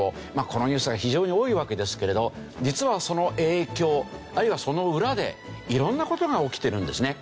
このニュースが非常に多いわけですけれど実はその影響あるいはその裏で色んな事が起きてるんですね。